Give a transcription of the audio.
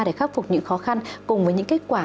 để khắc phục những khó khăn cùng với những kết quả